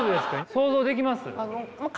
想像できます？